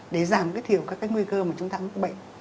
để giảm cái thiểu các cái nguy cơ mà chúng ta mắc bệnh